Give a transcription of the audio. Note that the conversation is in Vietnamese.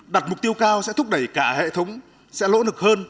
đặt mục tiêu cao sẽ thúc đẩy cả hệ thống sẽ lỗ lực hơn